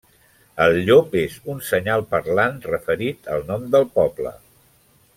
El llop és un senyal parlant referit al nom del poble.